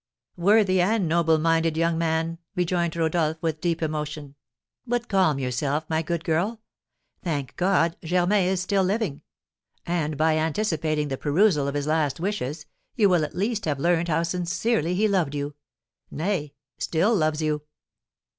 "Worthy and noble minded young man!" rejoined Rodolph, with deep emotion. "But calm yourself, my good girl. Thank God, Germain is still living! And, by anticipating the perusal of his last wishes, you will at least have learned how sincerely he loved you, nay, still loves you!"